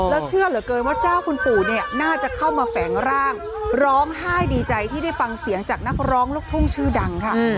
แล้วเชื่อเหลือเกินว่าเจ้าคุณปู่เนี่ยน่าจะเข้ามาแฝงร่างร้องไห้ดีใจที่ได้ฟังเสียงจากนักร้องลูกทุ่งชื่อดังค่ะ